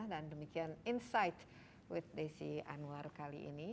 dan demikian insight with desy anwar kali ini